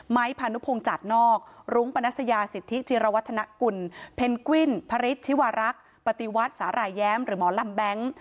พานุพงศาสนอกรุ้งปนัสยาสิทธิจิรวัฒนกุลเพนกวิ้นพระฤทธิวารักษ์ปฏิวัติสาหร่ายแย้มหรือหมอลำแบงค์